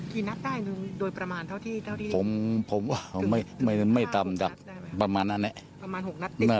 พื้นที่นัดได้โดยประมาณเท่าที่ผมไม่ต่ำจากประมาณนั้นแหละ